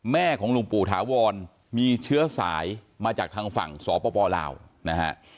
ของหลวงปู่ถาวรมีเชื้อสายมาจากทางฝั่งสปลาวนะฮะ